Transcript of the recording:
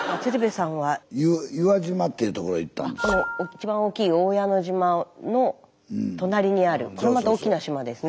一番大きい大矢野島の隣にあるこれまた大きな島ですね。